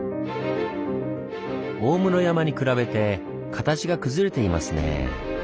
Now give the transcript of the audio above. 大室山に比べて形が崩れていますねぇ。